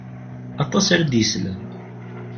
Aṭas ara d-islen.